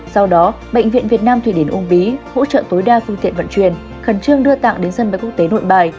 sau đó bệnh viện việt nam thủy điển úng bí hỗ trợ tối đa phương tiện vận chuyển khẩn trương đưa tặng đến sân bay quốc tế nội bài